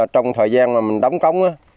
trong thời gian mà mình đóng cống